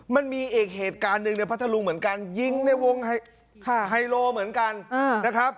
มันมีอีกเหตุการณ์หนึ่งในพัทธรุงเหมือนกันยิงในวงไฮโลเหมือนกันนะครับ